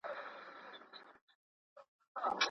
او ډېر خاموش او آرام ښکارېدی